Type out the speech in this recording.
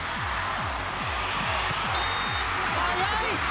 速い！